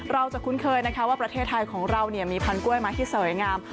เราจะคุ้นเคยนะคะว่าประเทศไทยของเรามีพันธกล้วยไม้ที่สวยงาม